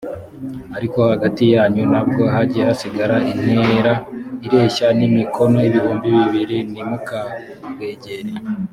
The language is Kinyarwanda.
ariko hagati yanyu na bwo, hajye hasigara intera ireshya n’imikono ibihumbi bibiri; ntimukabwegere.